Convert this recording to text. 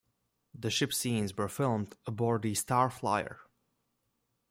The ship scenes were filmed aboard the Star Flyer.